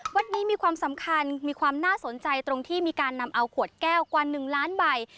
วัดนี้มีความสำคัญมีความน่าสนใจตรงที่มีการนำเอาขวดแก้วกว่า๑ล้านใบ